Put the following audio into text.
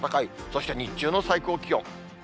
そして、日中の最高気温。